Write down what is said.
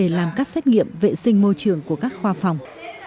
vấn đề làm các xét nghiệm vệ sinh môi trường của các khoa phòng